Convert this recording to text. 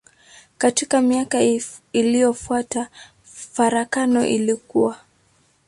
Katika miaka iliyofuata farakano ilikua.